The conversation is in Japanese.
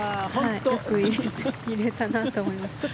よく入れたなと思います。